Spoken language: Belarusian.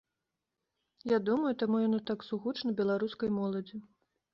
Я думаю, таму яно так сугучна беларускай моладзі.